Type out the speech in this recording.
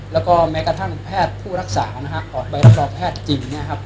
แล้วก็แม้กระทั่งแพทย์ผู้รักษานะฮะออกไปต่อแพทย์จริงนะครับ